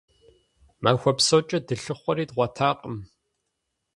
Махуэ псокӀэ дылъыхъуэри дгъуэтакъым.